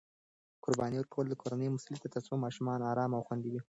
قرباني ورکول د کورنۍ مسؤلیت دی ترڅو ماشومان ارام او خوندي وي.